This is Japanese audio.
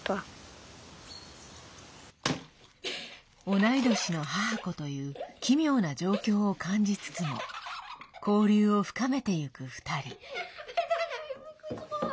同い年の母子という奇妙な状況を感じつつも交流を深めていく２人。